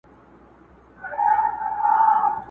ما په تمه د درملو ورته عُمر دی خوړلی!